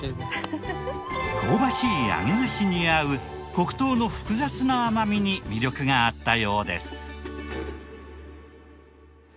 香ばしい揚げ菓子に合う黒糖の複雑な甘みに魅力があったようです。